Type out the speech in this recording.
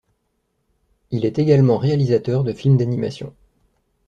Il est également réalisateur de films d'animation.